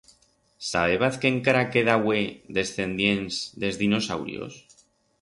Sabébaz que encara queda hue descendients d'es dinosaurios?